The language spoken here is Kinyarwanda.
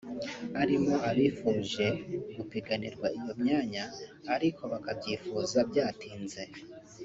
arimo abifuje gupiganirwa iyo myanya ariko bakabyifuza byatinze